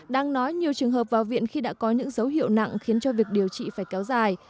đang nói nhiều trường hợp vào viện khi đã có những dấu hiệu nặng khiến cho việc điều trị phải kéo dài